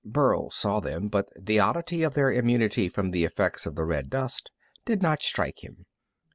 Burl saw them, but the oddity of their immunity from the effects of the red dust did not strike him.